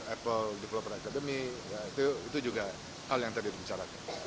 apple developer academy itu juga hal yang tadi dibicarakan